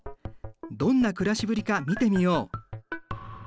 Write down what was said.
どんな暮らしぶりか見てみよう。